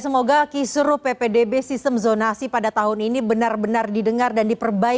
semoga kisur ppdb sistem zonasi pada tahun ini benar benar didengar dan diperbaiki di tahun ini